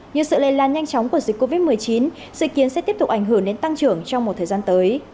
như sự lây lan nhanh chóng của dịch covid một mươi chín dự kiến sẽ tiếp tục ảnh hưởng đến tăng trưởng trong một thời gian tới